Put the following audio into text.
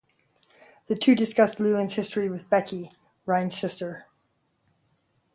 The two also discuss Leland's history with Becky, Ryan's sister.